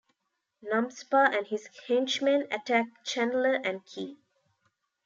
Numspa and his henchmen attack Chandler and Kee.